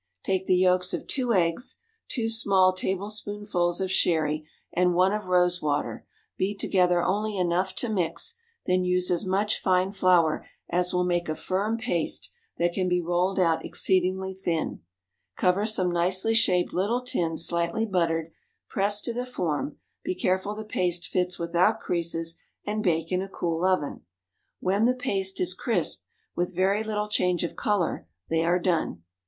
Take the yolks of two eggs, two small tablespoonfuls of sherry, and one of rose water, beat together only enough to mix, then use as much fine flour as will make a firm paste that can be rolled out exceedingly thin. Cover some nicely shaped little tins slightly buttered, press to the form, be careful the paste fits without creases, and bake in a cool oven. When the paste is crisp, with very little change of color, they are done.